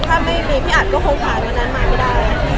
ถ้าไม่มีพี่อันก็คงขายวันนั้นมากไม่ได้